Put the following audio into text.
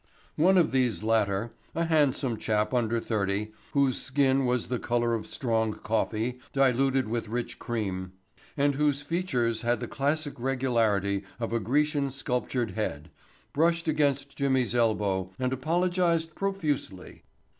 One of these latter, a handsome chap under thirty, whose skin was the color of strong coffee diluted with rich cream and whose features had the classic regularity of a Grecian sculptured head, brushed against Jimmy's elbow and apologized profusely.